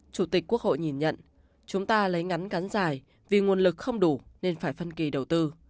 chúng ta lấy ngắn gắn dài vì nguồn lực không đủ nên phải phân kỳ đầu tư